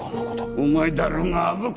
お前だろうが虻川！